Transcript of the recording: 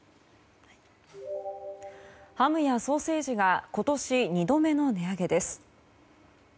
ハムやソーセージが今年２度目の値上げです。